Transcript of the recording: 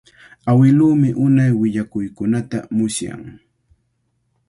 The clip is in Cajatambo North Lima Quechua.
Awiluumi unay willakuykunata musyan.